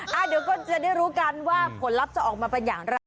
เดี๋ยวก็จะได้รู้กันว่าผลลัพธ์จะออกมาเป็นอย่างไร